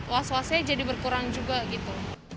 was wasnya jadi berkurang juga gitu